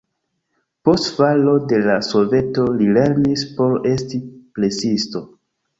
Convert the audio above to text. Post falo de la Soveto li lernis por esti presisto.